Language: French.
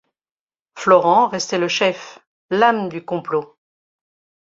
Florent restait le chef, l’âme du complot.